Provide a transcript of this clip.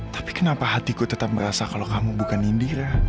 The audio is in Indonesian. tapi kenapa hatiku tetap merasa kalau kamu bukan indira